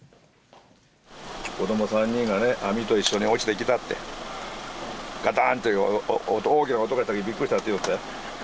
子ども３人がね、網と一緒に落ちてきたって、がたんという大きな音がして、びっくりしたと言ってた。